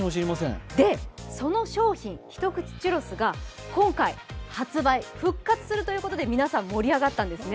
で、その商品、ひとくちチュロスが今回、発売復活するということで皆さん、盛り上がったんですね。